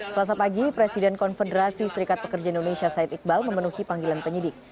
selasa pagi presiden konfederasi serikat pekerja indonesia said iqbal memenuhi panggilan penyidik